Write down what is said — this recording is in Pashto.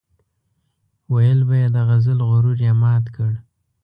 ويل به يې د غزل غرور یې مات کړ.